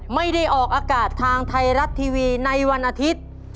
ไม่ได้ออกอากาศทางไทยรัฐทีวีในวันอาทิตย์